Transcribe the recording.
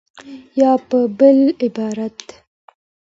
یا په بل عبارت